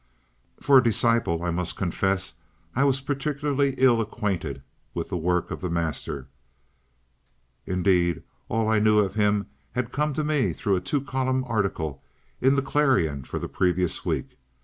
For a disciple I must confess I was particularly ill acquainted with the works of the master. Indeed, all I knew of him had come to me through a two column article in The Clarion for the previous week.